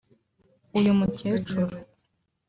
“Uyu mukecuru”